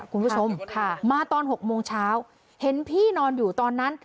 คุณผู้ชมค่ะมาตอน๖โมงเช้าเห็นพี่นอนอยู่ตอนนั้น